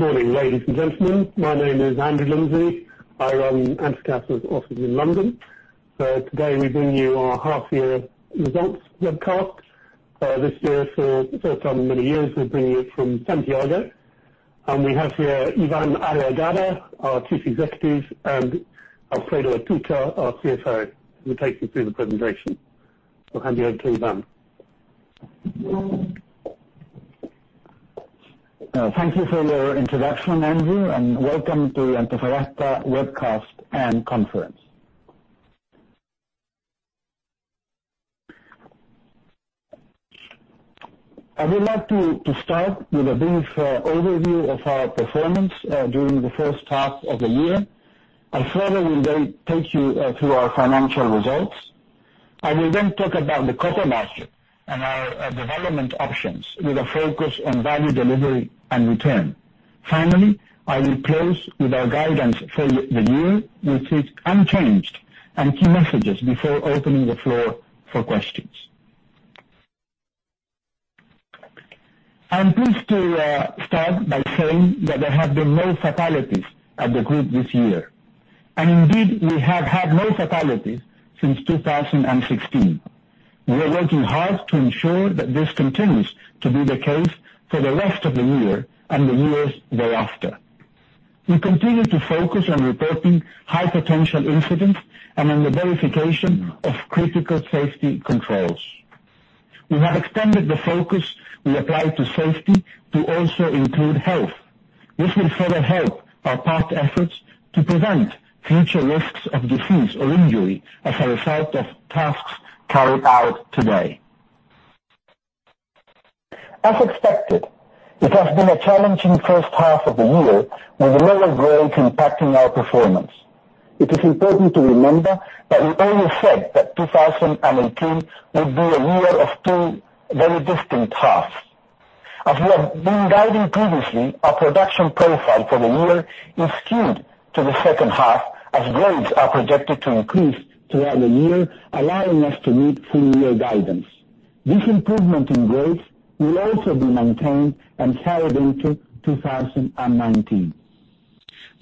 Good morning, ladies and gentlemen. My name is Andrew Lindsay. I run Antofagasta's office in London. Today we bring you our half-year results webcast. This year, for the first time in many years, we are bringing it from Santiago. We have here Iván Arriagada, our Chief Executive, and Alfredo Atucha, our CFO, who will take you through the presentation. Hand you over to Iván. Thank you for your introduction, Andrew, and welcome to Antofagasta webcast and conference. I would like to start with a brief overview of our performance during the first half of the year. Alfredo will take you through our financial results. I will talk about the copper market and our development options with a focus on value delivery and return. I will close with our guidance for the year, which is unchanged, and key messages before opening the floor for questions. I'm pleased to start by saying that there have been no fatalities at the group this year. Indeed, we have had no fatalities since 2016. We are working hard to ensure that this continues to be the case for the rest of the year and the years thereafter. We continue to focus on reporting high potential incidents and on the verification of critical safety controls. We have extended the focus we apply to safety to also include health. This will further help our part efforts to prevent future risks of disease or injury as a result of tasks carried out today. As expected, it has been a challenging first half of the year, with lower grades impacting our performance. It is important to remember that we only said that 2018 would be a year of two very distinct halves. As we have been guiding previously, our production profile for the year is skewed to the second half as grades are projected to increase throughout the year, allowing us to meet full year guidance. This improvement in grades will also be maintained and carried into 2019.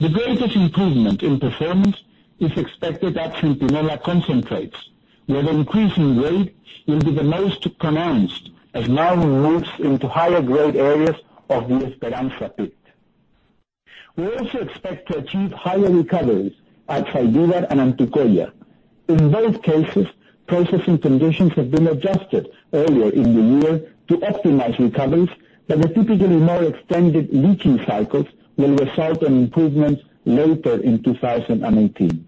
The greatest improvement in performance is expected at Centinela concentrates, where the increase in grade will be the most pronounced as mine moves into higher-grade areas of the Esperanza pit. We also expect to achieve higher recoveries at Zaldívar and Antucoya. In both cases, processing conditions have been adjusted earlier in the year to optimize recoveries, but the typically more extended leaching cycles will result in improvements later in 2018.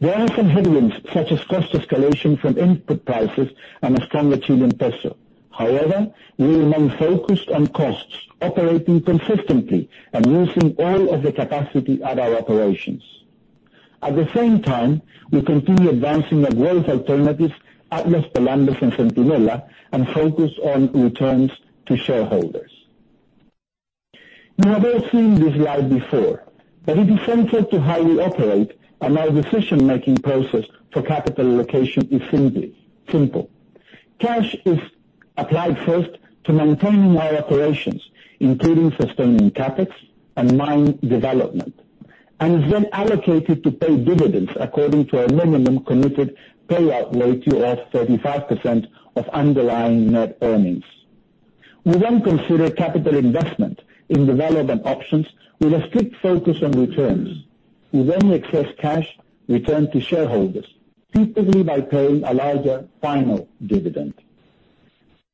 There are some headwinds, such as cost escalation from input prices and a stronger Chilean peso. We remain focused on costs, operating consistently and using all of the capacity at our operations. At the same time, we continue advancing our growth alternatives at Los Pelambres and Centinela and focus on returns to shareholders. You have all seen this slide before, it is central to how we operate and our decision-making process for capital allocation is simple. Cash is applied first to maintaining our operations, including sustaining CapEx and mine development, and is then allocated to pay dividends according to our minimum committed payout ratio of 35% of underlying net earnings. We then consider capital investment in development options with a strict focus on returns. We then excess cash return to shareholders, typically by paying a larger final dividend.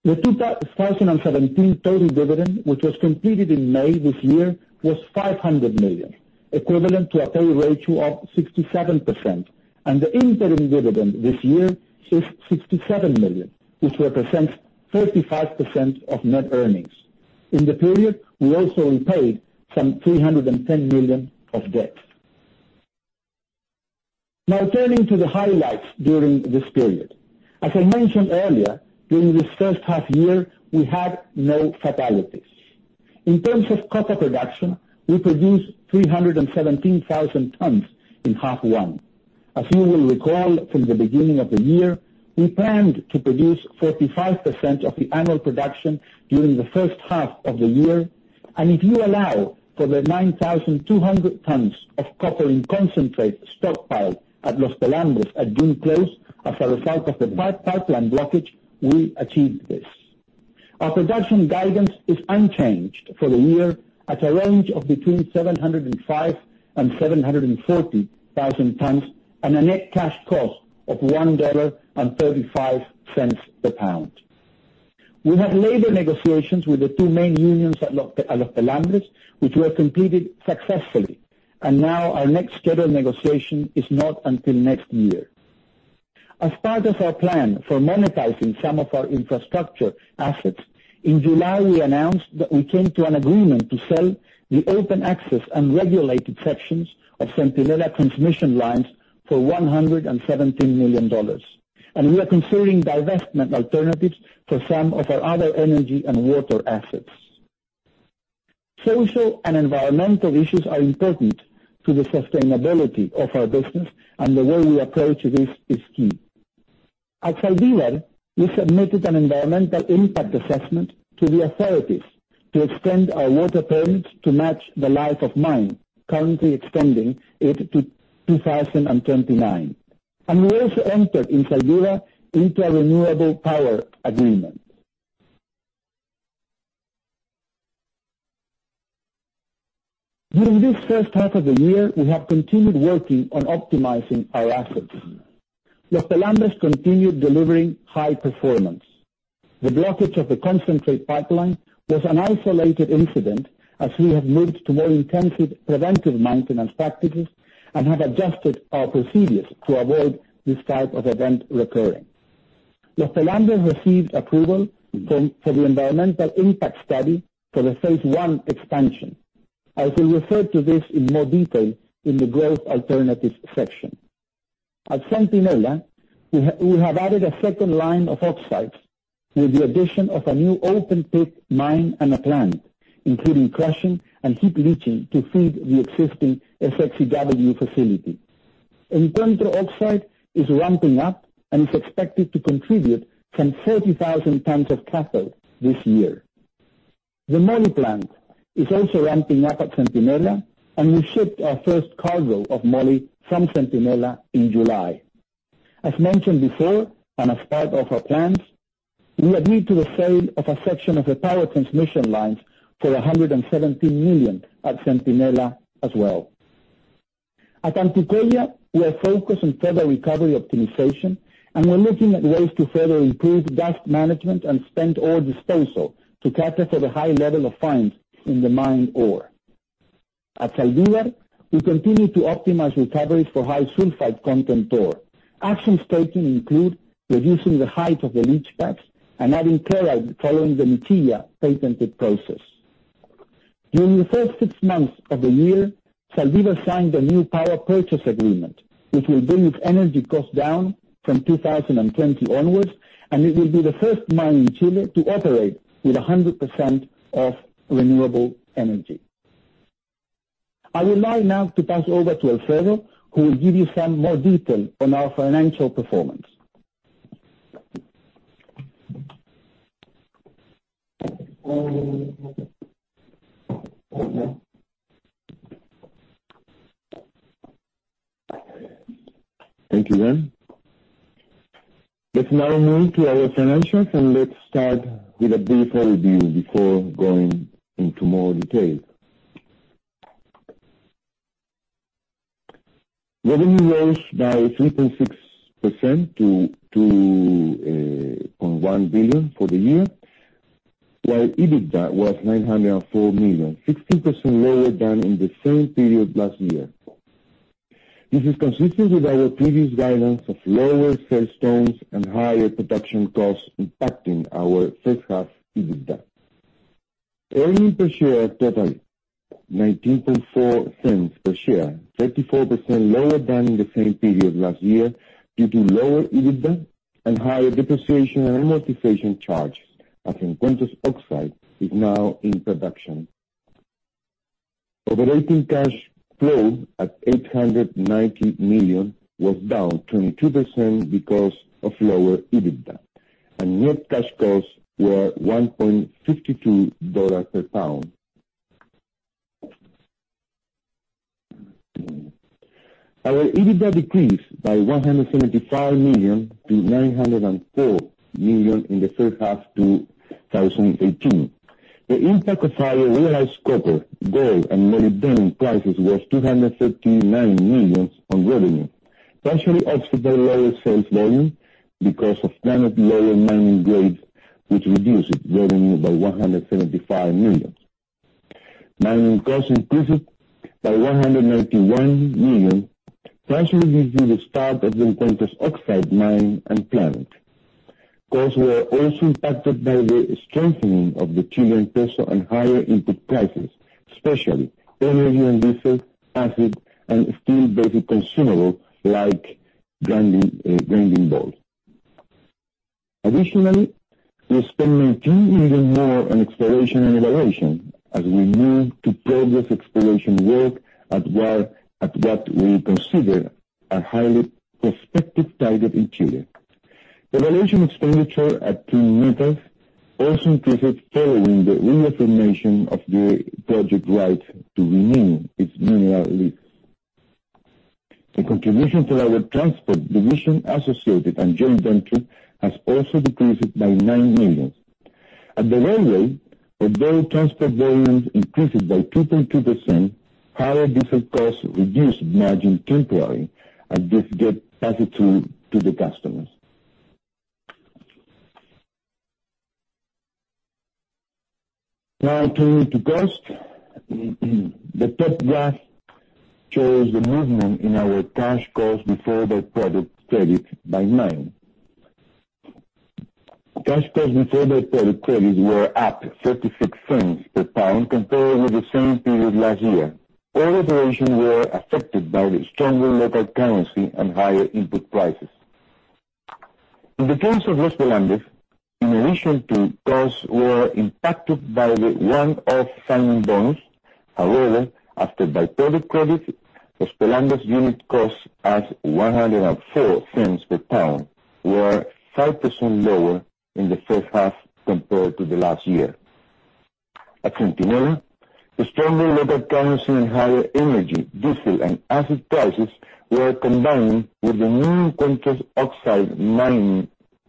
The 2017 total dividend, which was completed in May this year, was $500 million, equivalent to a pay ratio of 67%, and the interim dividend this year is $67 million, which represents 35% of net earnings. In the period, we also repaid some $310 million of debt. Turning to the highlights during this period. As I mentioned earlier, during this first half year, we had no fatalities. In terms of copper production, we produced 317,000 tons in half one. As you will recall from the beginning of the year, we planned to produce 45% of the annual production during the first half of the year. If you allow for the 9,200 tons of copper in concentrate stockpile at Los Pelambres at June close, as a result of the pipeline blockage, we achieved this. Our production guidance is unchanged for the year at a range of between 705,000 and 740,000 tons and a net cash cost of $1.35 per pound. We had labor negotiations with the two main unions at Los Pelambres, which were completed successfully. Our next scheduled negotiation is not until next year. As part of our plan for monetizing some of our infrastructure assets, in July, we announced that we came to an agreement to sell the open access and regulated sections of Centinela transmission lines for $117 million. We are considering divestment alternatives for some of our other energy and water assets. Social and environmental issues are important to the sustainability of our business. The way we approach this is key. At Zaldívar, we submitted an environmental impact assessment to the authorities to extend our water permit to match the life of mine, currently extending it to 2029. We also entered in Zaldívar into a renewable power agreement. During this first half of the year, we have continued working on optimizing our assets. Los Pelambres continued delivering high performance. The blockage of the concentrate pipeline was an isolated incident as we have moved to more intensive preventive maintenance practices and have adjusted our procedures to avoid this type of event recurring. Los Pelambres received approval for the environmental impact study for the phase one expansion. I shall refer to this in more detail in the growth alternatives section. At Centinela, we have added a second line of oxides with the addition of a new open pit mine and a plant, including crushing and heap leaching to feed the existing SXEW facility. Encuentro Oxides is ramping up and is expected to contribute some 30,000 tons of copper this year. The moly plant is also ramping up at Centinela. We shipped our first cargo of moly from Centinela in July. As mentioned before and as part of our plans, we agreed to the sale of a section of the power transmission lines for $117 million at Centinela as well. At Antucoya, we are focused on further recovery optimization, and we're looking at ways to further improve dust management and spent ore disposal to cater for the high level of fines in the mined ore. At Zaldívar, we continue to optimize recoveries for high sulfide content ore. Actions taken include reducing the height of the leach pads and adding chloride following the M-ITIA patented process. During the first six months of the year, Zaldívar signed a new power purchase agreement, which will bring its energy cost down from 2020 onwards, and it will be the first mine in Chile to operate with 100% of renewable energy. I will now hand over to Alfredo, who will give you some more detail on our financial performance. Thank you, Iván. Let's now move to our financials. Let's start with a brief overview before going into more detail. Revenue rose by 3.6% to $2.1 billion for the year, while EBITDA was $904 million, 16% lower than in the same period last year. This is consistent with our previous guidance of lower sales tons and higher production costs impacting our first half EBITDA. Earnings per share totaled $0.194 per share, 34% lower than in the same period last year due to lower EBITDA and higher depreciation and amortization charges, as Encuentro Oxide is now in production. Operating cash flow at $890 million was down 22% because of lower EBITDA, and net cash costs were $1.52 per pound. Our EBITDA decreased by $175 million to $904 million in H1 2018. The impact of higher realized copper, gold, and molybdenum prices was $239 million on revenue, partially offset by lower sales volume because of planned lower mining grades, which reduced revenue by $175 million. Mining costs increased by $191 million, partially due to the start of the Encuentros Oxide mine and plant. Costs were also impacted by the strengthening of the Chilean peso and higher input prices, especially energy and diesel, acid, and steel-based consumable like grinding balls. Additionally, we spent $19 million more on exploration and evaluation as we move to progress exploration work at what we consider a highly prospective target in Chile. Evaluation expenditure at Twin Metals also increased following the reaffirmation of the project right to renew its mineral lease. The contribution to our transport division associated and joint venture has also decreased by $9 million. At the railway, although transport volumes increased by 2.2%, higher diesel costs reduced margin temporarily as this gets passed through to the customers. Turning to cost. The top graph shows the movement in our cash cost before the credit by mine. Cash cost before the credit was up $0.36 per pound compared with the same period last year. All operations were affected by the stronger local currency and higher input prices. In the case of Los Pelambres, in addition to costs, we were impacted by the one-off signing bonus. However, after by-product credit, Los Pelambres' unit cost of $1.04 per pound, was 5% lower in the first half compared to last year. At Centinela, the stronger local currency and higher energy, diesel, and acid prices were combined with the new Encuentro Oxides mine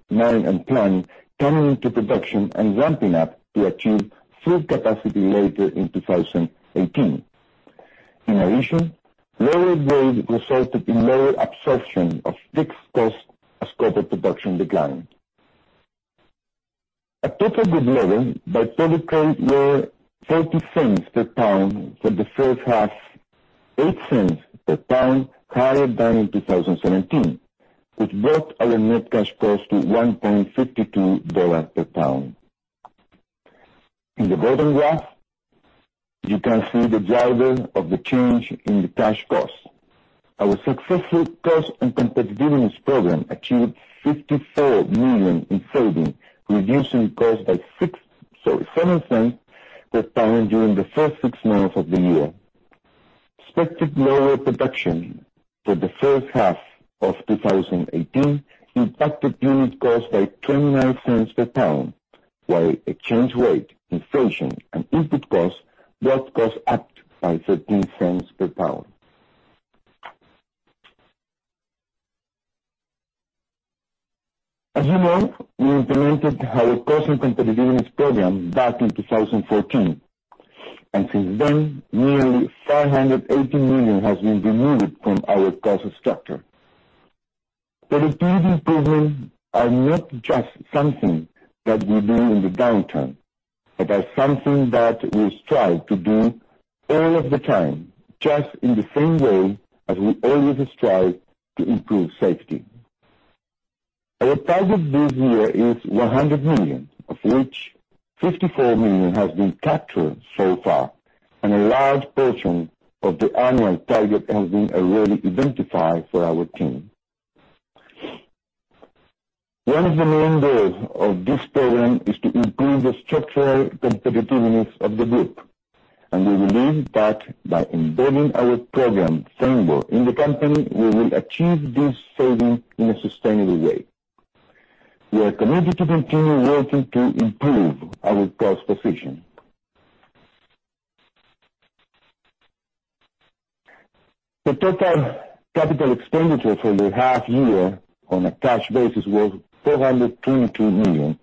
and plant coming into production and ramping up to achieve full capacity later in 2018. In addition, lower grade resulted in lower absorption of fixed costs as copper production declined. At total group level, by-product credits were $0.40 per pound for the first half, $0.08 per pound higher than in 2017, which brought our net cash cost to $1.52 per pound. In the bottom graph, you can see the driver of the change in the cash cost. Our successful cost and competitiveness program achieved $54 million in savings, reducing costs by seven cents per pound during the first six months of the year. Expected lower production for the first half of 2018 impacted unit cost by $0.29 per pound, while exchange rate, inflation, and input costs brought cost up by $0.13 per pound. As you know, we implemented our cost and competitiveness program back in 2014, and since then, nearly $580 million has been removed from our cost structure. These improvements are not just something that we do in the downturn, but are something that we strive to do all of the time, just in the same way as we always strive to improve safety. Our target this year is $100 million, of which $54 million has been captured so far, and a large portion of the annual target has been already identified for our team. One of the main goals of this program is to improve the structural competitiveness of the group. We believe that by embedding our program framework in the company, we will achieve this saving in a sustainable way. We are committed to continue working to improve our cost position. The total capital expenditure for the half year on a cash basis was $422 million,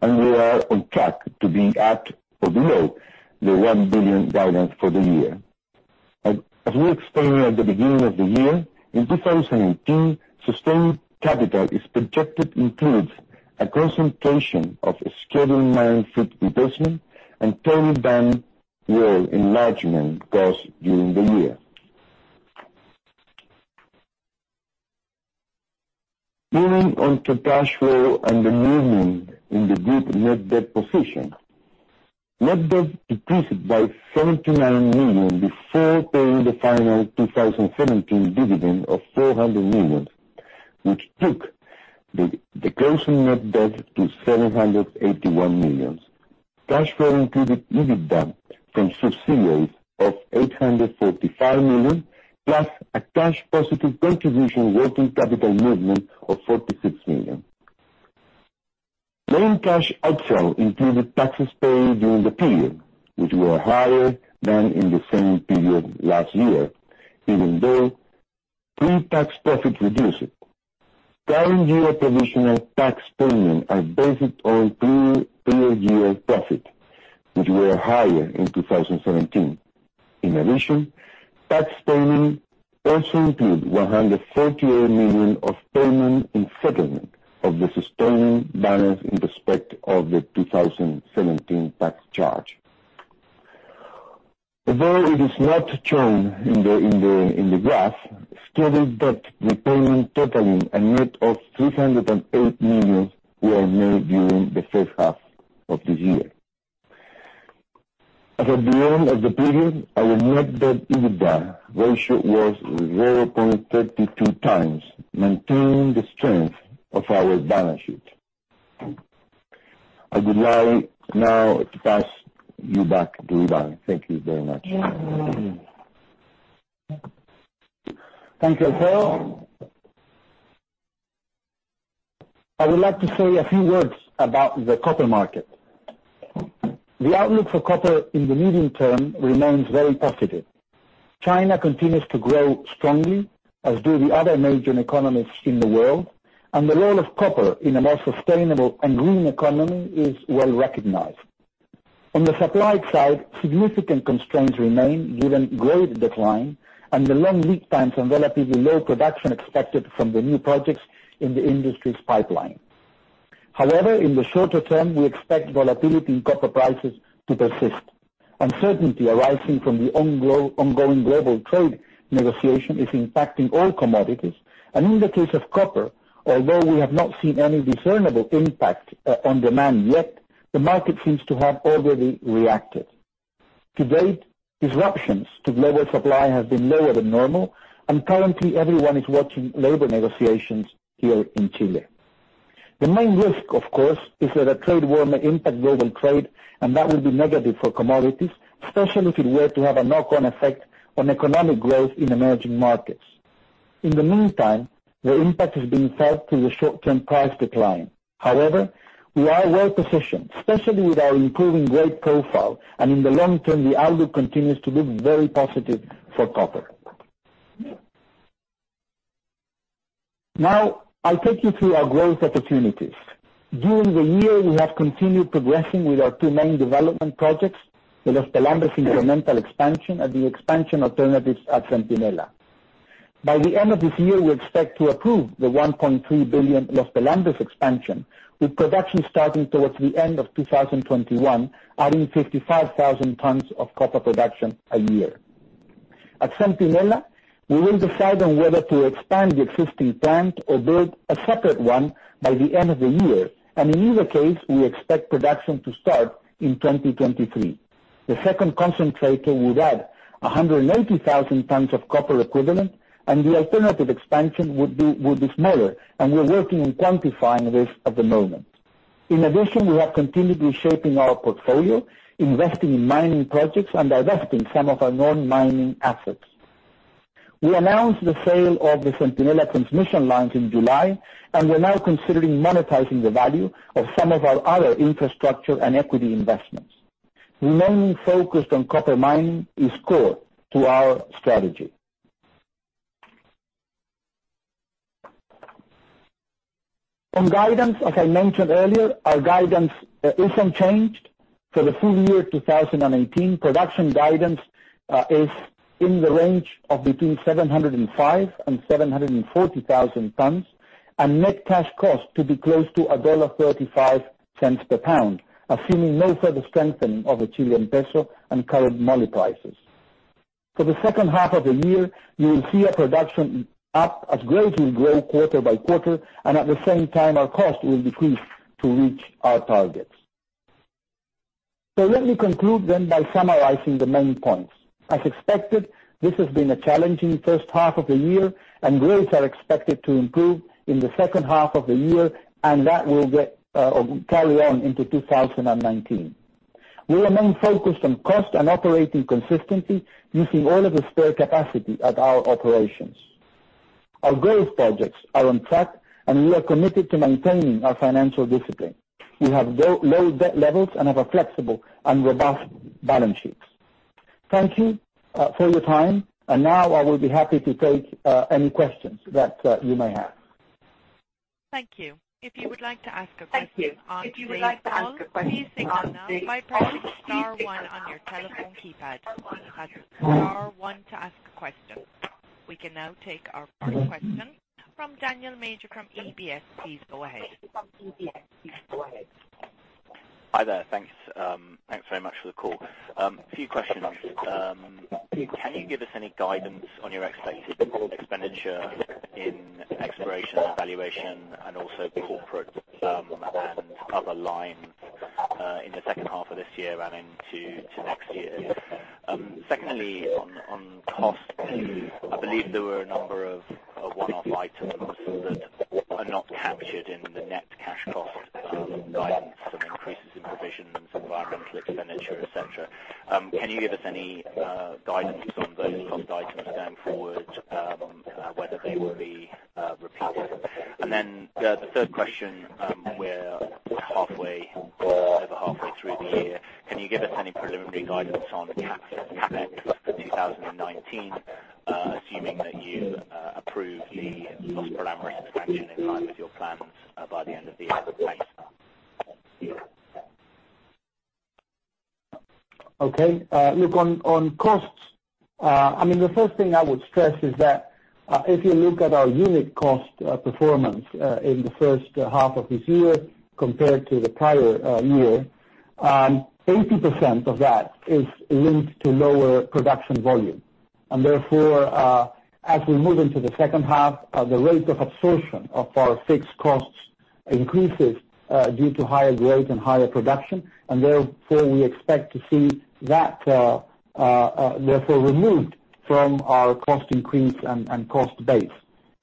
and we are on track to be at or below the $1 billion guidance for the year. As we explained at the beginning of the year, in 2018, sustained capital is projected to include a concentration of scheduled mine fleet investment and [Toby Dale well] enlargement costs during the year. Moving on to cash flow and the movement in the group net debt position. Net debt decreased by $79 million before paying the final 2017 dividend of $400 million, which took the closing net debt to $781 million. Cash flow included EBITDA from associates of $845 million, plus a cash positive contribution working capital movement of $46 million. Main cash outflow included taxes paid during the period, which were higher than in the same period last year, even though pre-tax profit reduced. Current year provisional tax payments are based on prior year profit, which were higher in 2017. Tax payment also include $148 million of payment and settlement of the sustained balance in respect of the 2017 tax charge. It is not shown in the graph, scheduled debt repayments totaling a net of $308 million were made during the first half of this year. As at the end of the period, our net debt/EBITDA ratio was 0.32 times, maintaining the strength of our balance sheet. I would like now to pass you back to Ivan. Thank you very much. Thank you, Alfredo. I would like to say a few words about the copper market. The outlook for copper in the medium term remains very positive. China continues to grow strongly, as do the other major economies in the world, and the role of copper in a more sustainable and green economy is well-recognized. On the supply side, significant constraints remain given grade decline and the long lead times enveloping the low production expected from the new projects in the industry's pipeline. In the shorter term, we expect volatility in copper prices to persist. Uncertainty arising from the ongoing global trade negotiation is impacting all commodities. In the case of copper, although we have not seen any discernible impact on demand yet, the market seems to have already reacted. To date, disruptions to global supply have been lower than normal, and currently everyone is watching labor negotiations here in Chile. The main risk, of course, is that a trade war may impact global trade and that will be negative for commodities, especially if it were to have a knock-on effect on economic growth in emerging markets. In the meantime, the impact is being felt through the short-term price decline. We are well positioned, especially with our improving grade profile, and in the long term, the outlook continues to look very positive for copper. I'll take you through our growth opportunities. During the year, we have continued progressing with our two main development projects, the Los Pelambres incremental expansion and the expansion alternatives at Centinela. By the end of this year, we expect to approve the $1.3 billion Los Pelambres expansion, with production starting towards the end of 2021, adding 55,000 tons of copper production a year. At Centinela, we will decide on whether to expand the existing plant or build a separate one by the end of the year. In either case, we expect production to start in 2023. The second concentrator would add 180,000 tons of copper equivalent, and the alternative expansion would be smaller, and we're working on quantifying this at the moment. In addition, we have continued reshaping our portfolio, investing in mining projects and divesting some of our non-mining assets. We announced the sale of the Centinela transmission lines in July, and we're now considering monetizing the value of some of our other infrastructure and equity investments. Remaining focused on copper mining is core to our strategy. On guidance, as I mentioned earlier, our guidance isn't changed. For the full year 2018, production guidance is in the range of between 705 and 740,000 tons, and net cash cost to be close to $1.35 per pound, assuming no further strengthening of the Chilean peso and current metal prices. For the second half of the year, you will see our production up as grades will grow quarter by quarter, and at the same time, our cost will decrease to reach our targets. Let me conclude then by summarizing the main points. As expected, this has been a challenging first half of the year, and grades are expected to improve in the second half of the year, and that will carry on into 2019. We remain focused on cost and operating consistency, using all of the spare capacity at our operations. Our growth projects are on track, and we are committed to maintaining our financial discipline. We have low debt levels and have a flexible and robust balance sheet. Thank you for your time, and now I will be happy to take any questions that you may have. Thank you. If you would like to ask a question on the call, please signal now by pressing star one on your telephone keypad. Press star one to ask a question. We can now take our first question from Daniel Major from UBS. Please go ahead. Hi there. Thanks very much for the call. A few questions. Can you give us any guidance on your expected expenditure in exploration and evaluation and also corporate and other lines in the second half of this year and into next year? Secondly, on cost, I believe there were a number of one-off items that are not captured in the net cash cost guidance, some increases in provisions, environmental expenditure, et cetera. Can you give us any guidance on those cost items going forward, whether they will be repeated? The third question, we're over halfway through the year. Can you give us any preliminary guidance on CapEx in 2019, assuming that you approve the Los Pelambres expansion in line with your plans by the end of the year? Thanks. Okay. Look, on costs, the first thing I would stress is that if you look at our unit cost performance in the first half of this year compared to the prior year, 80% of that is linked to lower production volume. Therefore, as we move into the second half, the rate of absorption of our fixed costs increases due to higher grade and higher production, and therefore, we expect to see that therefore removed from our cost increase and cost base.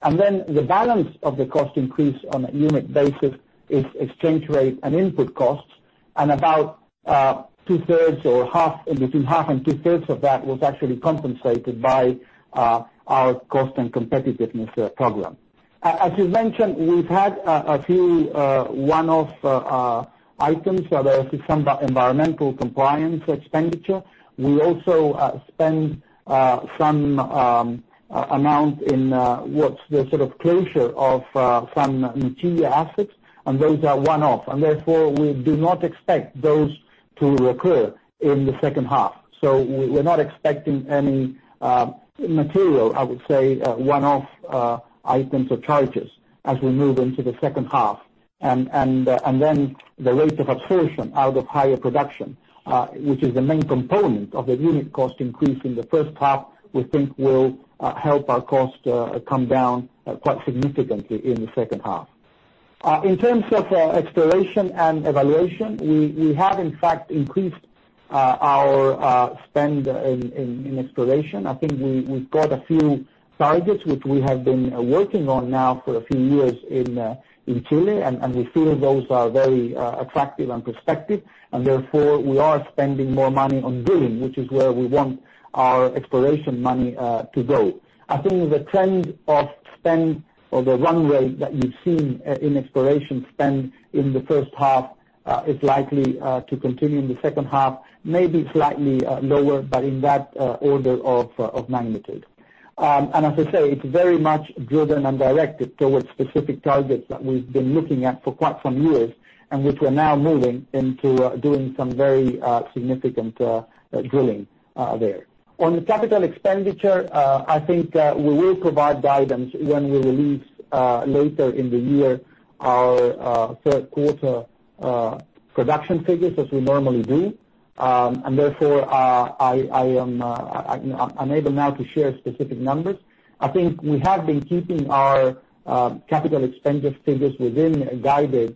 The balance of the cost increase on a unit basis is exchange rate and input costs, and about between half and two-thirds of that was actually compensated by our cost and competitiveness program. As you mentioned, we've had a few one-off items. There was some environmental compliance expenditure. We also spent some amount in what's the sort of closure of some material assets, and those are one-off, and therefore, we do not expect those to recur in the second half. We're not expecting any material, I would say, one-off items or charges as we move into the second half. The rate of absorption out of higher production, which is the main component of the unit cost increase in the first half, we think will help our cost come down quite significantly in the second half. In terms of exploration and evaluation, we have increased our spend in exploration. I think we got a few targets which we have been working on now for a few years in Chile, and we feel those are very attractive and prospective, and therefore we are spending more money on drilling, which is where we want our exploration money to go. I think the trend of spend or the run rate that you've seen in exploration spend in the first half is likely to continue in the second half, maybe slightly lower, but in that order of magnitude. As I say, it's very much driven and directed towards specific targets that we've been looking at for quite some years, and which we're now moving into doing some very significant drilling there. On the capital expenditure, I think we will provide guidance when we release later in the year our third quarter production figures as we normally do. Therefore, I am unable now to share specific numbers. I think we have been keeping our capital expenditure figures within guided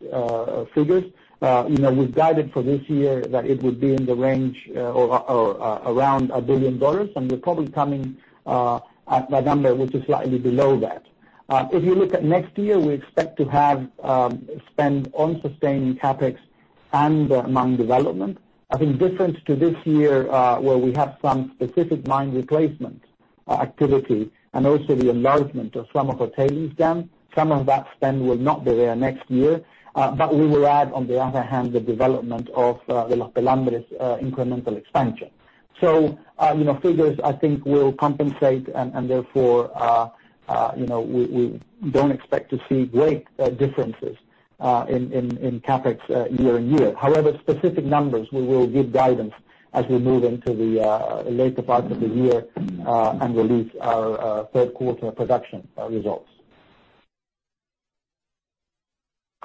figures. We've guided for this year that it would be in the range or around $1 billion, and we're probably coming at a number which is slightly below that. If you look at next year, we expect to have spend on sustaining CapEx and among development. I think different to this year, where we have some specific mine replacement activity and also the enlargement of some of our tailings dam. Some of that spend will not be there next year. We will add, on the other hand, the development of the Pelambres incremental expansion. Figures I think will compensate and therefore, we don't expect to see great differences in CapEx year-on-year. Specific numbers, we will give guidance as we move into the later part of the year and release our third quarter production results.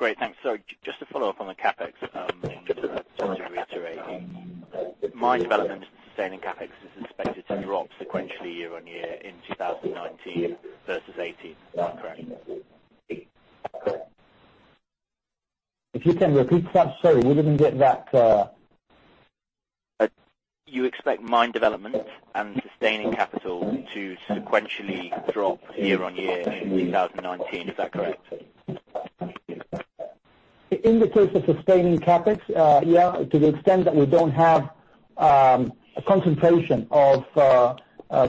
Great. Thanks. Just to follow up on the CapEx, going into that mine development sustaining CapEx is expected to drop sequentially year-on-year in 2019 versus 2018. Is that correct? If you can repeat that. Sorry, we didn't get that. You expect mine development and sustaining capital to sequentially drop year-on-year in 2019. Is that correct? In the case of sustaining CapEx, yeah, to the extent that we don't have a concentration of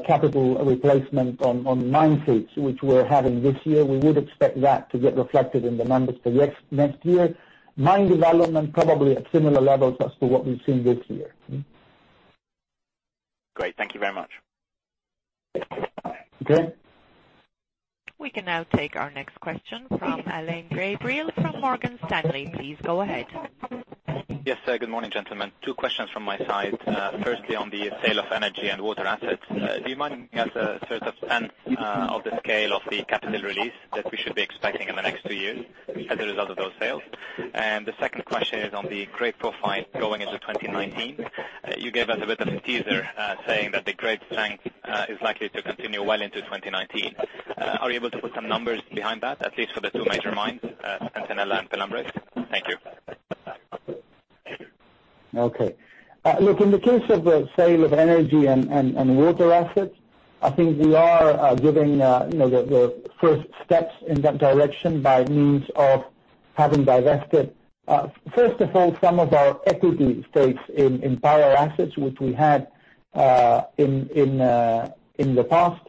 capital replacement on mine fleet, which we're having this year, we would expect that to get reflected in the numbers for next year. Mine development, probably at similar levels as to what we've seen this year. Great. Thank you very much. Okay. We can now take our next question from Alain Gabriel from Morgan Stanley. Please go ahead. Yes. Good morning, gentlemen. Two questions from my side. Firstly, on the sale of energy and water assets, do you mind giving us a sense of the scale of the capital release that we should be expecting in the next 2 years as a result of those sales? The 2nd question is on the grade profile going into 2019. You gave us a bit of a teaser, saying that the grade strength is likely to continue well into 2019. Are you able to put some numbers behind that, at least for the 2 major mines Centinela and Pelambres? Thank you. Okay. Look, in the case of the sale of energy and water assets, I think we are giving the 1st steps in that direction by means of having divested, 1st of all, some of our equity stakes in power assets which we had in the past.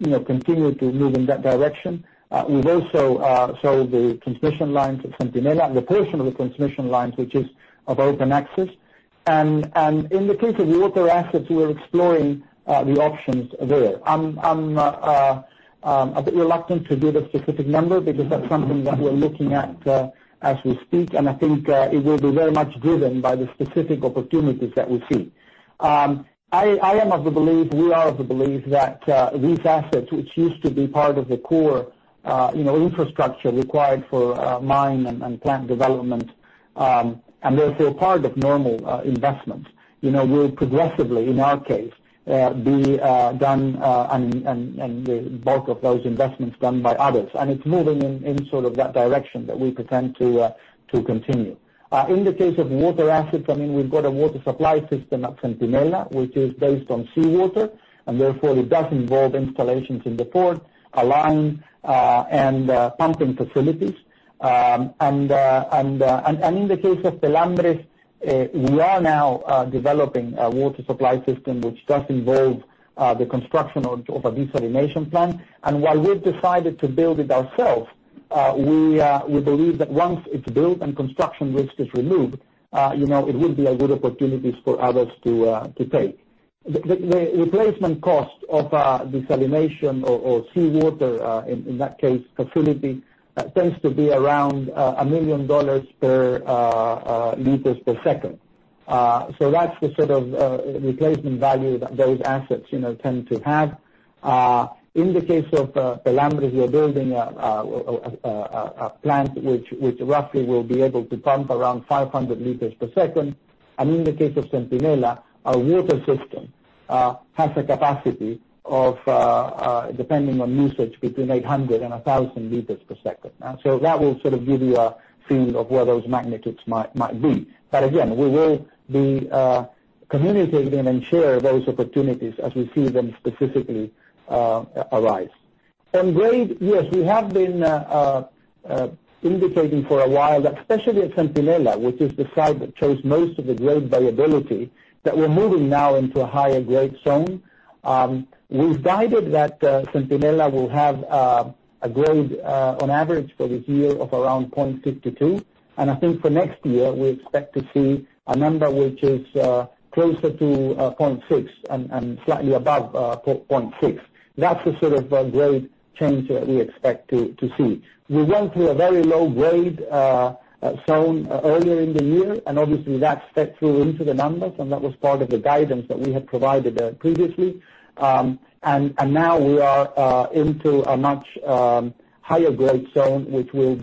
We continue to move in that direction. We've also sold the transmission lines at Centinela and the portion of the transmission lines which is of open access. In the case of water assets, we're exploring the options there. I'm a bit reluctant to give a specific number because that's something that we're looking at as we speak, and I think it will be very much driven by the specific opportunities that we see. I am of the belief, we are of the belief that these assets, which used to be part of the core infrastructure required for mine and plant development, and therefore part of normal investment, will progressively, in our case, be done and the bulk of those investments done by others. It's moving in sort of that direction that we intend to continue. In the case of water assets, we've got a water supply system at Centinela which is based on seawater, and therefore it does involve installations in the port, a line, and pumping facilities. In the case of Pelambres, we are now developing a water supply system which does involve the construction of a desalination plant. While we've decided to build it ourselves, we believe that once it's built and construction risk is removed, it will be a good opportunity for others to take. The replacement cost of a desalination or seawater, in that case, facility tends to be around $1 million per liters per second. That's the sort of replacement value that those assets tend to have. In the case of Pelambres, we are building a plant which roughly will be able to pump around 500 liters per second. In the case of Centinela, our water system has the capacity of, depending on usage, between 800 and 1,000 liters per second. That will sort of give you a feel of where those magnitudes might be. Again, we will be communicating and share those opportunities as we see them specifically arise. Grade, yes, we have been indicating for a while, especially at Centinela, which is the site that shows most of the grade variability, that we're moving now into a higher-grade zone. We've guided that Centinela will have a grade, on average, for this year of around 0.52. I think for next year, we expect to see a number which is closer to 0.6 and slightly above 0.6. That's the sort of grade change that we expect to see. We went through a very low-grade zone earlier in the year, and obviously that fed through into the numbers, and that was part of the guidance that we had provided previously. Now we are into a much higher-grade zone, which will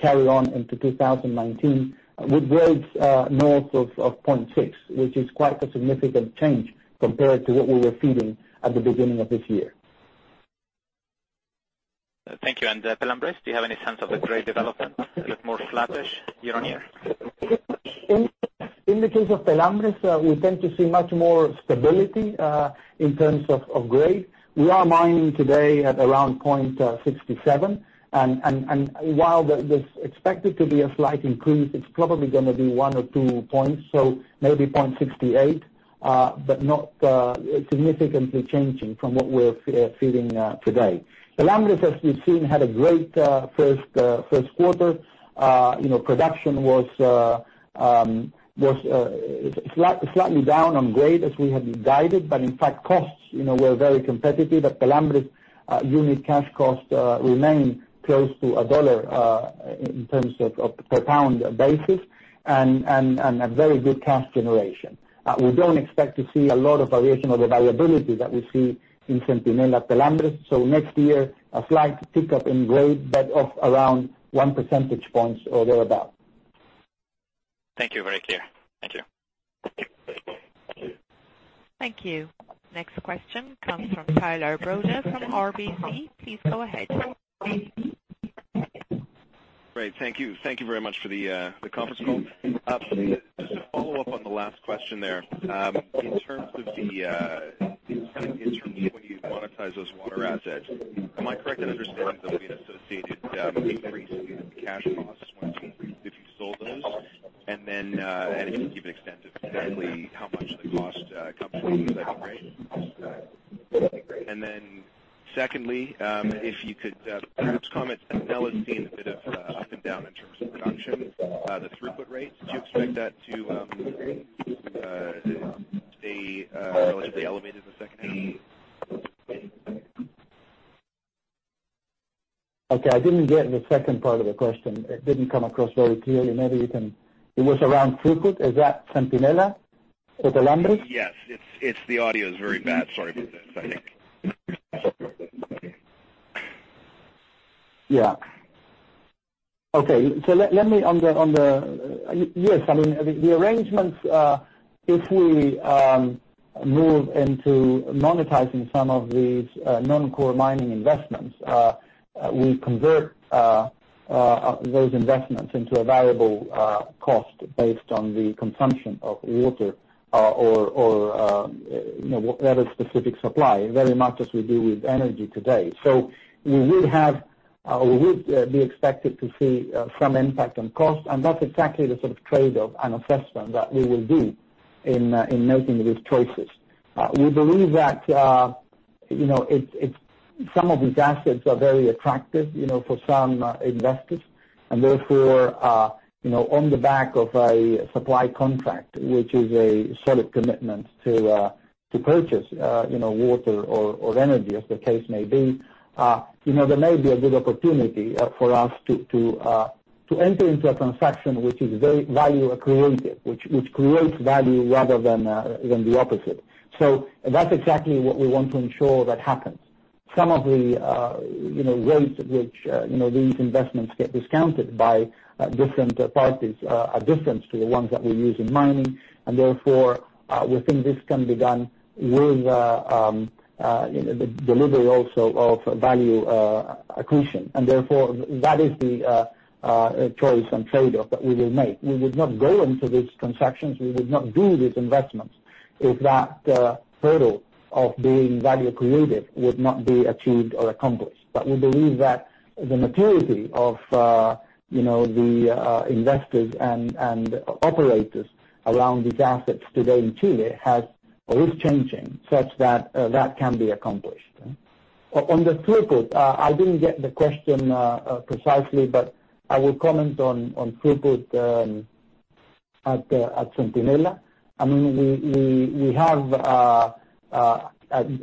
carry on into 2019 with grades north of 0.6, which is quite a significant change compared to what we were feeding at the beginning of this year. Thank you. Pelambres, do you have any sense of the grade development? A bit more flattish year-on-year? In the case of Pelambres, we tend to see much more stability, in terms of grade. We are mining today at around 0.67. While there's expected to be a slight increase, it's probably gonna be one or two points, so maybe 0.68, but not significantly changing from what we're feeding today. Pelambres, as we've seen, had a great first quarter. Production was slightly down on grade as we had guided, but in fact, costs were very competitive. The Pelambres unit cash cost remained close to $1 in terms of per pound basis and a very good cash generation. We don't expect to see a lot of variation or the variability that we see in Centinela at Pelambres. Next year, a slight tick-up in grade, but of around one percentage point or thereabout. Thank you. Very clear. Thank you. Thank you. Next question comes from Tyler Broda from RBC. Please go ahead. Great. Thank you. Thank you very much for the conference call. Just to follow up on the last question there. In terms of when you monetize those water assets, am I correct in understanding there'll be an associated increase in cash costs once you, if you sold those? Can you just give an extent of exactly how much the cost comes from those, right? Secondly, if you could perhaps comment, Centinela's seen a bit of up and down in terms of production, the throughput rates. Do you expect that to stay relatively elevated the second half? Okay. I didn't get the second part of the question. It didn't come across very clearly. It was around throughput. Is that Centinela or Pelambres? Yes. The audio is very bad. Sorry about this, I think. Yes, I mean, the arrangements, if we move into monetizing some of these non-core mining investments, we convert those investments into a variable cost based on the consumption of water or whatever specific supply, very much as we do with energy today. We would be expected to see some impact on cost, and that's exactly the sort of trade-off and assessment that we will do in making these choices. We believe that some of these assets are very attractive for some investors, and therefore, on the back of a supply contract, which is a solid commitment to purchase water or energy, as the case may be, there may be a good opportunity for us to enter into a transaction which is very value accretive, which creates value rather than the opposite. That's exactly what we want to ensure that happens. Some of the ways in which these investments get discounted by different parties are different to the ones that we use in mining, Therefore, we think this can be done with the delivery also of value accretion. Therefore, that is the choice and trade-off that we will make. We would not go into these transactions, we would not do these investments if that hurdle of being value accretive would not be achieved or accomplished. We believe that the maturity of the investors and operators around these assets today in Chile is changing, such that that can be accomplished. On the throughput, I didn't get the question precisely, but I will comment on throughput at Centinela. I mean, we have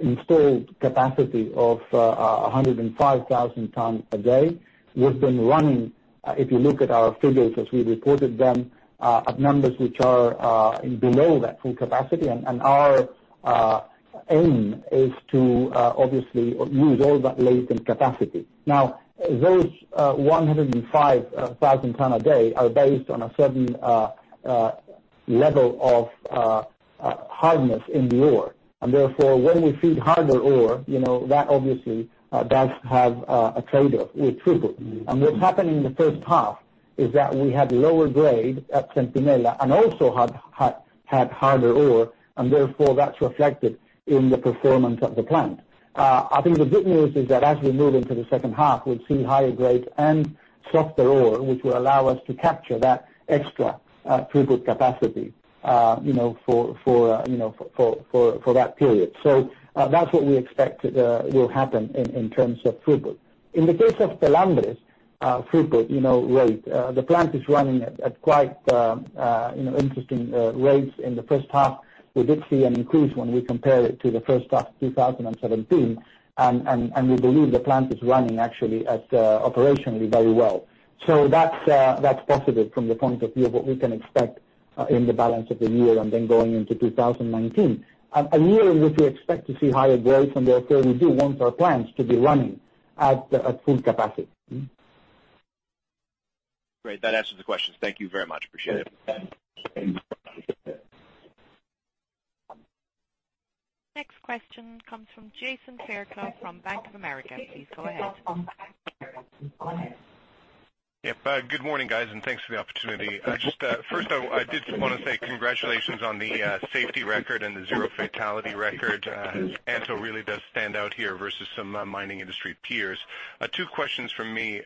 installed capacity of 105,000 tons a day. We've been running, if you look at our figures as we reported them, at numbers which are below that full capacity. Our aim is to obviously use all that latent capacity. Those 105,000 tons a day are based on a certain level of hardness in the ore, Therefore, when we feed harder ore, that obviously does have a trade-off with throughput. What's happened in the first half is that we had lower grade at Centinela and also had harder ore, Therefore, that's reflected in the performance of the plant. I think the good news is that as we move into the second half, we'll see higher grades and softer ore, which will allow us to capture that extra throughput capacity for that period. That's what we expect will happen in terms of throughput. In the case of Los Pelambres throughput rate, the plant is running at quite interesting rates in the first half. We did see an increase when we compare it to the first half of 2017, and we believe the plant is running actually operationally very well. That's positive from the point of view of what we can expect in the balance of the year and then going into 2019. Really, we do expect to see higher growth, Therefore, we do want our plants to be running at full capacity. Great. That answers the question. Thank you very much. Appreciate it. Next question comes from Jason Fairclough from Bank of America. Please go ahead. Yep. Good morning, guys. Thanks for the opportunity. Just first, I did just want to say congratulations on the safety record and the zero fatality record. Antofagasta really does stand out here versus some mining industry peers. Two questions from me.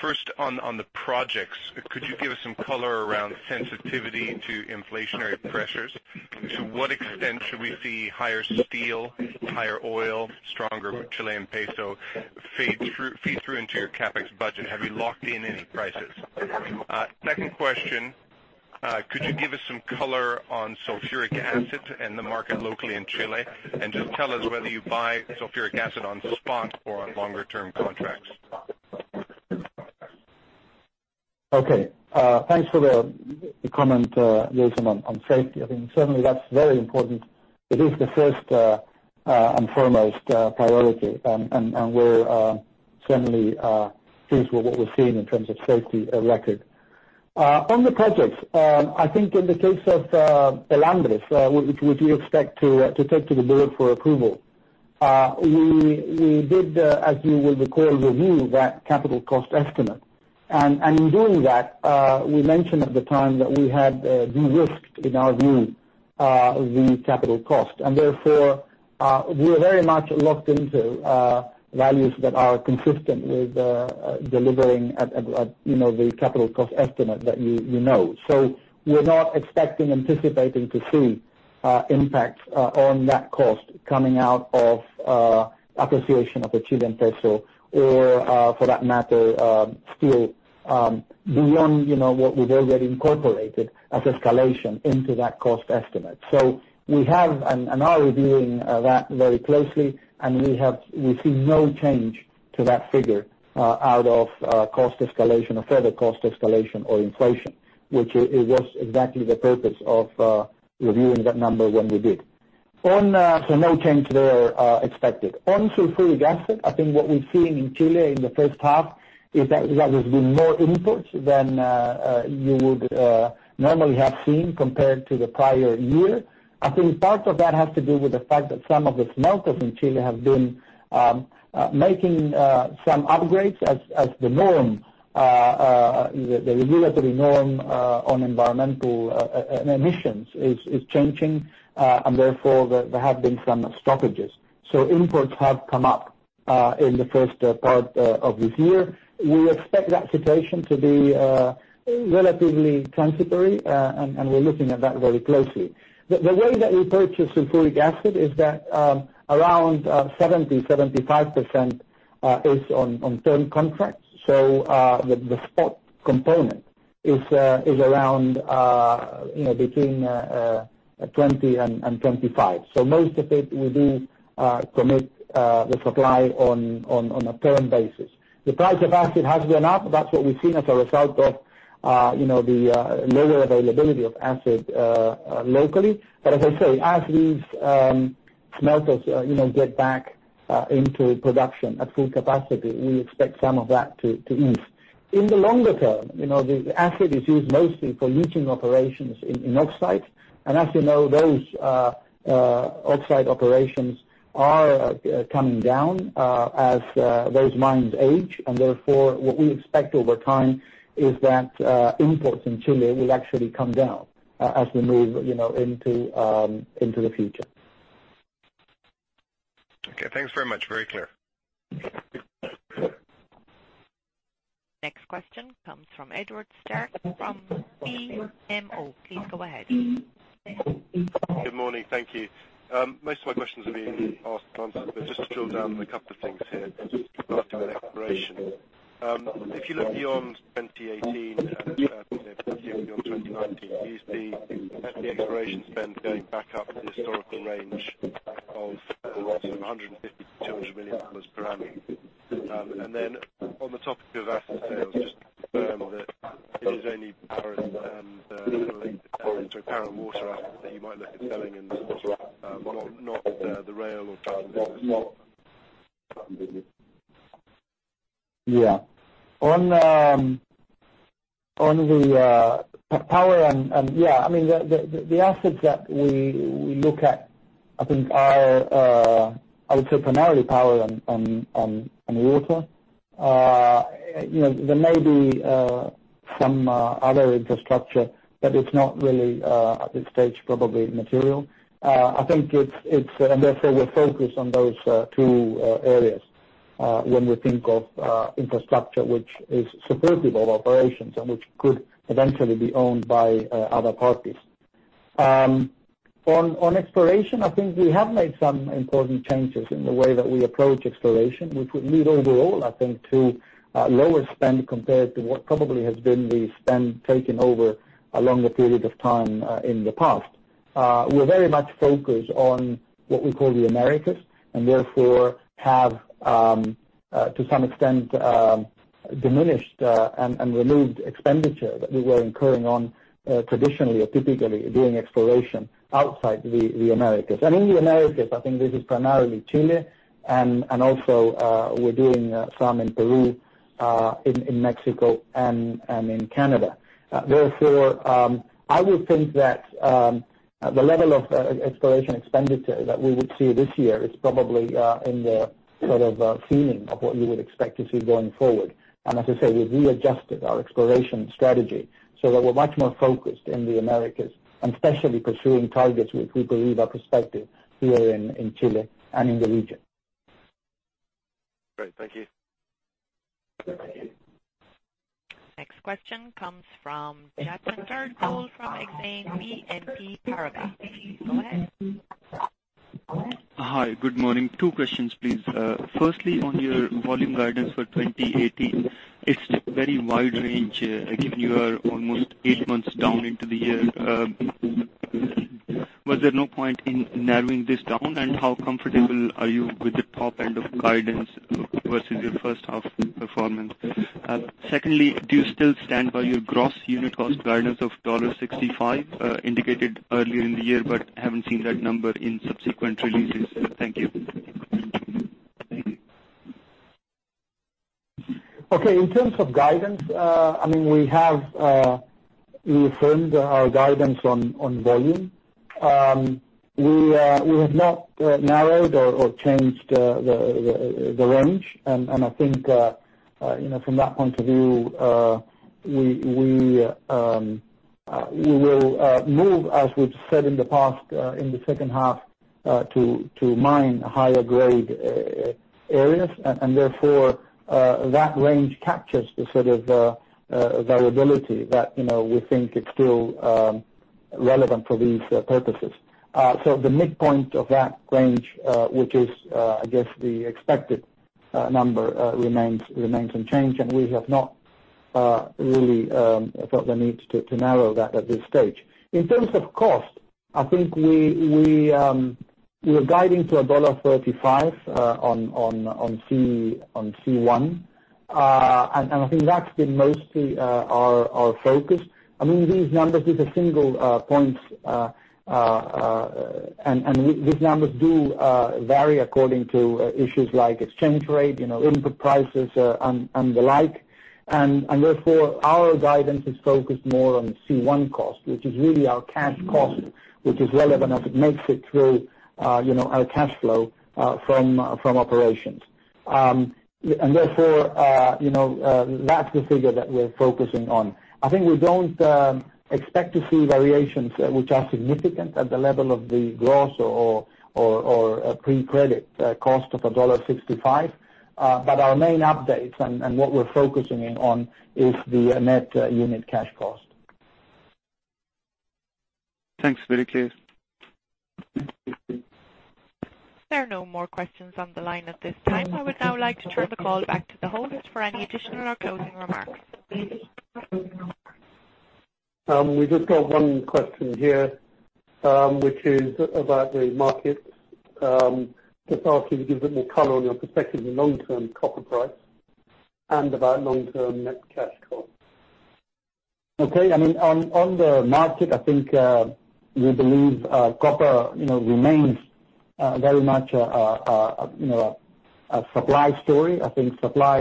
First on the projects, could you give us some color around sensitivity to inflationary pressures? To what extent should we see higher steel, higher oil, stronger Chilean peso feed through into your CapEx budget? Have you locked in any prices? Second question, could you give us some color on sulfuric acid and the market locally in Chile? Just tell us whether you buy sulfuric acid on spot or on longer-term contracts. Okay. Thanks for the comment, Jason, on safety. I think certainly that's very important. It is the first and foremost priority. We're certainly pleased with what we're seeing in terms of safety record. On the projects, I think in the case of Pelambres, which we expect to take to the board for approval, we did, as you will recall, review that capital cost estimate. In doing that, we mentioned at the time that we had de-risked, in our view, the capital cost. Therefore, we are very much locked into values that are consistent with delivering the capital cost estimate that you know. We're not expecting, anticipating to see impacts on that cost coming out of appreciation of the Chilean peso or, for that matter, steel, beyond what we've already incorporated as escalation into that cost estimate. We have and are reviewing that very closely, we see no change to that figure out of cost escalation or further cost escalation or inflation, which it was exactly the purpose of reviewing that number when we did. No change there expected. On sulfuric acid, I think what we're seeing in Chile in the first half is that there's been more imports than you would normally have seen compared to the prior year. I think part of that has to do with the fact that some of the smelters in Chile have been making some upgrades as the norm, the regulatory norm on environmental emissions is changing. Therefore, there have been some stoppages. Imports have come up in the first part of this year. We expect that situation to be relatively transitory, and we're looking at that very closely. The way that we purchase sulfuric acid is that around 70%-75% is on term contracts. The spot component is around between 20% and 25%. Most of it we do commit the supply on a term basis. The price of acid has been up. That's what we've seen as a result of the lower availability of acid locally. As I say, as these smelters get back into production at full capacity, we expect some of that to ease. In the longer term, the acid is used mostly for leaching operations in oxide. As you know, those oxide operations are coming down as those mines age, and therefore what we expect over time is that imports in Chile will actually come down as we move into the future. Thanks very much. Very clear. Next question comes from Edward Sterck from BMO. Please go ahead. Good morning. Thank you. Most of my questions have been asked and answered. Just to drill down on a couple of things here, starting with exploration. If you look beyond 2018 and say potentially beyond 2019, is the exploration spend going back up to the historical range of $150 million-$200 million per annum? On the topic of asset sales, just to confirm that it is only power and potentially the port, so power and water assets that you might look at selling and not the rail or transload business? On the power and the assets that we look at, I think are, I would say primarily power and water. There may be some other infrastructure, it's not really at this stage, probably material. Therefore, we're focused on those two areas when we think of infrastructure, which is supportive of operations and which could eventually be owned by other parties. On exploration, I think we have made some important changes in the way that we approach exploration, which would lead overall, I think, to lower spend compared to what probably has been the spend taken over a longer period of time in the past. We're very much focused on what we call the Americas, therefore have, to some extent, diminished and removed expenditure that we were incurring on traditionally or typically doing exploration outside the Americas. In the Americas, I think this is primarily Chile and also we're doing some in Peru, in Mexico and in Canada. Therefore, I would think that the level of exploration expenditure that we would see this year is probably in the sort of feeling of what you would expect to see going forward. As I say, we've readjusted our exploration strategy so that we're much more focused in the Americas and especially pursuing targets which we believe are prospective here in Chile and in the region. Great. Thank you. Next question comes from Jatinder S. Bhogal from Exane BNP Paribas. Please go ahead. Hi, good morning. Two questions, please. Firstly, on your volume guidance for 2018, it's very wide range, given you are almost eight months down into the year. Was there no point in narrowing this down? How comfortable are you with the top end of guidance versus your first half performance? Secondly, do you still stand by your gross unit cost guidance of $1.65 indicated earlier in the year, but haven't seen that number in subsequent releases? Thank you. Okay, in terms of guidance, we have reaffirmed our guidance on volume. We have not narrowed or changed the range. I think from that point of view, we will move, as we've said in the past, in the second half, to mine higher grade areas, and therefore, that range captures the sort of variability that we think is still relevant for these purposes. The midpoint of that range, which is I guess the expected number, remains unchanged, and we have not really felt the need to narrow that at this stage. In terms of cost, I think we're guiding to $1.35 on C1. I think that's been mostly our focus. These numbers, these are single points, and these numbers do vary according to issues like exchange rate, input prices and the like. Therefore, our guidance is focused more on C1 cost, which is really our cash cost, which is relevant as it makes it through our cash flow from operations. Therefore, that's the figure that we're focusing on. I think we don't expect to see variations which are significant at the level of the gross or pre-credit cost of $1.65. Our main updates and what we're focusing in on is the net unit cash cost. Thanks. Very clear. There are no more questions on the line at this time. I would now like to turn the call back to the host for any additional or closing remarks. We just got one question here, which is about the markets. Just ask you to give a bit more color on your perspective in long-term copper price and about long-term net cash costs. Okay. On the market, I think we believe copper remains very much a supply story. I think supply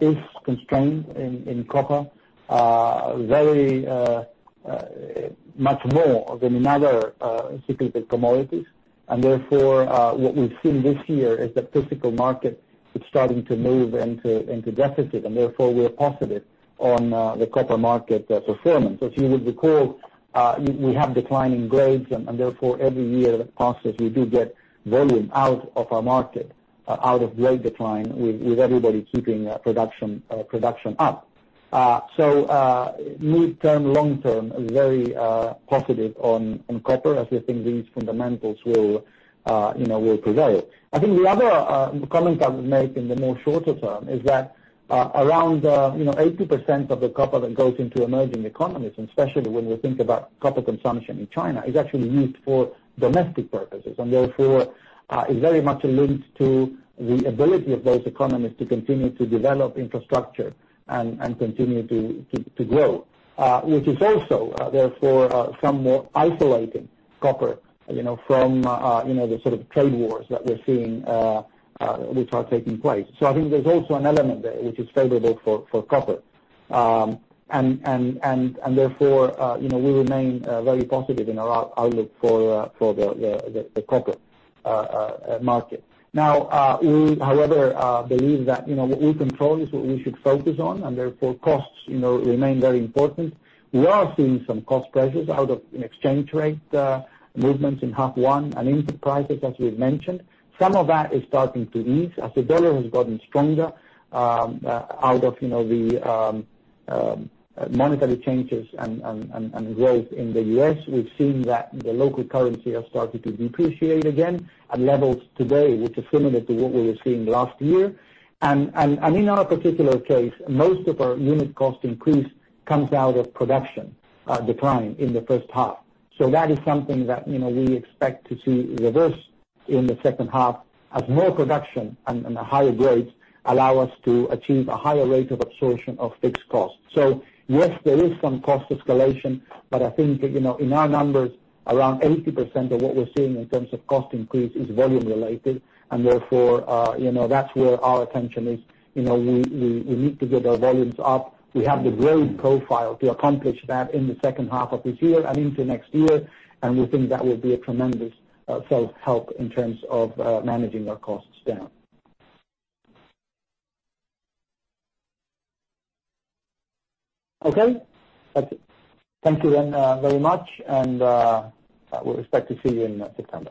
is constrained in copper very much more than in other cyclical commodities. Therefore, what we've seen this year is the physical market is starting to move into deficit, and therefore we're positive on the copper market performance. If you would recall, we have declining grades, and therefore every year that passes, we do get volume out of our market, out of grade decline, with everybody keeping production up. Mid-term, long-term, very positive on copper as we think these fundamentals will prevail. I think the other comment I would make in the more shorter term is that around 80% of the copper that goes into emerging economies, and especially when we think about copper consumption in China, is actually used for domestic purposes, and therefore is very much linked to the ability of those economies to continue to develop infrastructure and continue to grow, which is also therefore some more isolated copper from the sort of trade wars that we're seeing which are taking place. I think there's also an element there which is favorable for copper. Therefore, we remain very positive in our outlook for the copper market. We however, believe that what we control is what we should focus on, and therefore costs remain very important. We are seeing some cost pressures out of exchange rate movements in half one and input prices, as we've mentioned. Some of that is starting to ease as the dollar has gotten stronger out of the monetary changes and growth in the U.S. We've seen that the local currency has started to depreciate again at levels today which is similar to what we were seeing last year. In our particular case, most of our unit cost increase comes out of production decline in the first half. That is something that we expect to see reverse in the second half as more production and higher grades allow us to achieve a higher rate of absorption of fixed costs. Yes, there is some cost escalation, but I think in our numbers, around 80% of what we're seeing in terms of cost increase is volume related and therefore that's where our attention is. We need to get our volumes up. We have the grade profile to accomplish that in the second half of this year and into next year, and we think that will be a tremendous self-help in terms of managing our costs down. Okay. Thank you then very much, and we expect to see you in September.